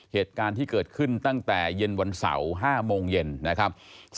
เหตุการณ์ที่เกิดขึ้นตั้งแต่เย็นวันเสาร์๕โมงเย็นนะครับ